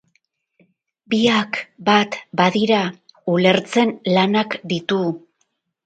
Biak bat badira, ulertzen lanak ditu.